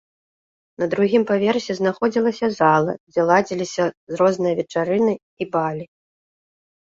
На другім паверсе знаходзілася зала, дзе ладзіліся розныя вечарыны і балі.